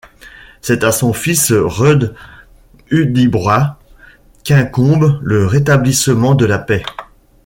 C’est à son fils Rud Hudibras qu’incombe le rétablissement de la paix.